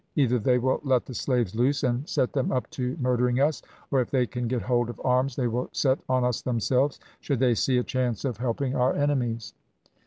"Either they will let the slaves loose and set them up to murdering us; or if they can get hold of arms they will set on us themselves, should they see a chance of helping our enemies."